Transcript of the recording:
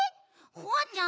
ホワちゃん